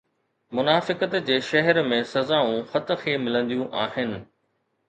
منافقت جي شهر ۾ سزائون خط کي ملنديون آهن